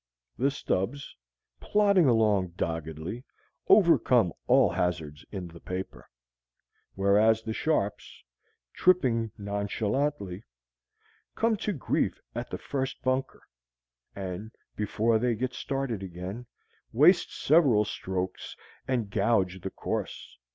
The Stubbs, plodding along doggedly, overcome all hazards in the paper; whereas the Sharps, tripping nonchalantly, come to grief at the first bunker, and before they get started again, waste several strokes and gouge the course.